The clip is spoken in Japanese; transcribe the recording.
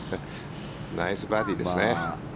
ナイスバーディーですね。